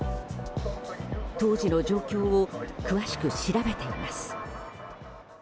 当時の状況を詳しく調べています。